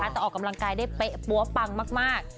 แต่ออกกำลังกายได้เป๊ะปั๊วปังมาก